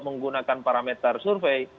menggunakan parameter survei